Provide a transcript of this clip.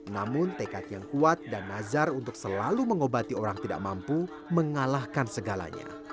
namun tekad yang kuat dan nazar untuk selalu mengobati orang tidak mampu mengalahkan segalanya